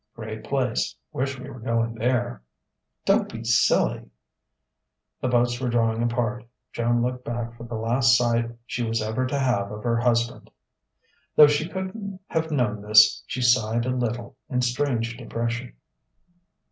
Great place. Wish we were going there." "Don't be silly...." The boats were drawing apart. Joan looked back for the last sight she was ever to have of her husband. Though she couldn't have known this, she sighed a little, in strange depression.